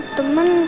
aku sama temen temen